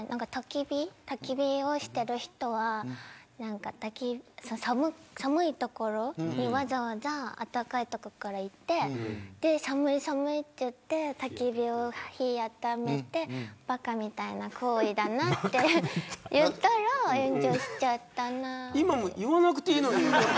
たき火をしている人は寒い所にわざわざ暖かい所から行って寒い寒いと言って火を暖めてばかみたいな行為だなと今の言わなくていいのに。